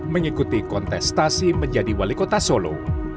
mengikuti kontestasi menjadi wali kota solo